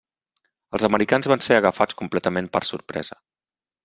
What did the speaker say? Els americans van ser agafats completament per sorpresa.